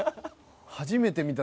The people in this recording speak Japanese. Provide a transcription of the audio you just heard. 初めて見た。